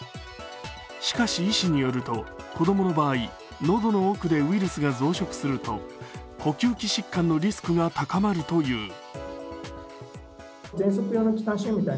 しかし、医師によると子供の場合喉の奥でウイルスが増殖すると呼吸器疾患のリスクが高まるという。